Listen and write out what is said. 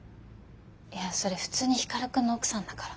いやそれ普通に光くんの奥さんだから。